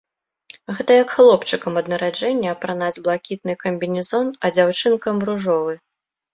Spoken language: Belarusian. Гэта як хлопчыкам ад нараджэння апранаць блакітны камбінезон, а дзяўчынкам ружовы!